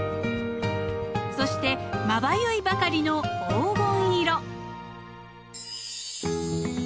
そしてまばゆいばかりの黄金色。